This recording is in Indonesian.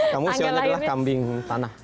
kamu ceo nya adalah kambing tanah